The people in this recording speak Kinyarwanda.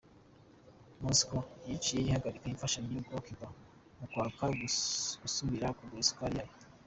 Moscow yaciye ihagarika imfashanyo yaha Cuba mu kwanka gusubira kugura isukari yayo.